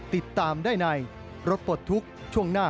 ติดตามได้ในรถปลดทุกข์ช่วงหน้า